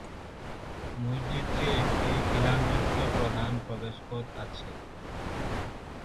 মসজিদটি একটি খিলানযুক্ত প্রধান প্রবেশপথ আছে।